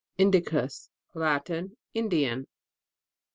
INDICUS. Latin. Indian.